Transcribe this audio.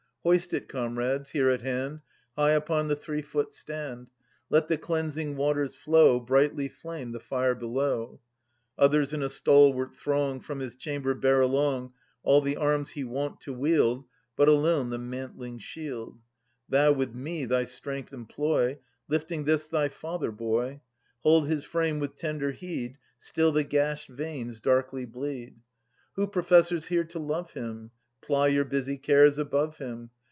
Hoist it, comrades, here at hand, High upon the three foot stand! Let the cleansing waters flow ; Brightly flame the fire below ! Others in a stalwart throng From his chamber bear along All the arms he wont to wield But alone the mantling shield. Thou with me thy strength employ, Lifting this thy father, boy ; Hold his frame with tender heed — Still the gashed veins darkly bleed. Who professes here to love him ? Ply your busy cares above him.